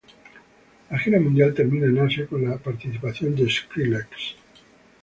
La gira mundial termina en Asia con la participación de Skrillex.